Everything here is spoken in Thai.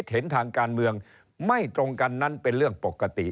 นโยบายไม่เหมือนกันเป็นเรื่องปกติ